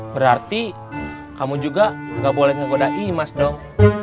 berarti kamu juga nggak boleh menggodai mas dong